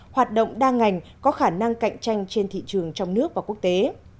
hoạt động đa ngành có khả năng cạnh tranh trên thị trường trong nước và quốc tế